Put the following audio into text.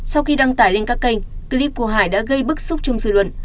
sau khi đăng tải lên các kênh clip của hải đã gây bức xúc trong dư luận